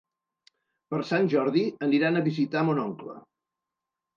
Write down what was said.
Per Sant Jordi aniran a visitar mon oncle.